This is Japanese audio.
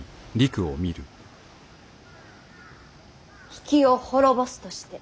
比企を滅ぼすとして。